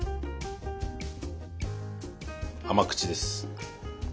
甘口です。